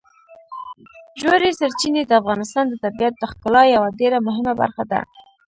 ژورې سرچینې د افغانستان د طبیعت د ښکلا یوه ډېره مهمه برخه ده.